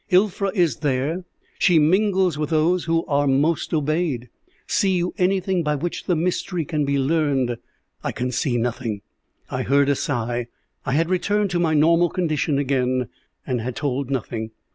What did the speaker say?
Ilfra is there; she mingles with those who are most obeyed.' "'See you anything by which the mystery can be learned?' "'I can see nothing.' "I heard a sigh. I had returned to my normal condition again, and had told nothing.